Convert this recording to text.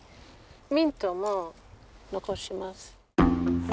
ミントも残します。